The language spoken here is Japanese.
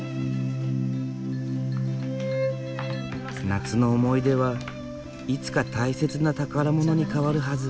夏の思い出はいつか大切な宝物に変わるはず。